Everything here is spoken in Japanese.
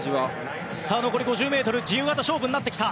残り５０ｍ自由形の勝負になってきた。